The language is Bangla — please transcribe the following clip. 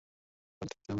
হাটতে যেতে হবে।